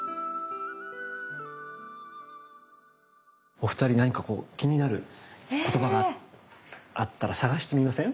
お二人何か気になる言葉があったら探してみません？